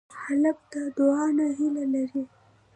هلک له دعا نه هیله لري.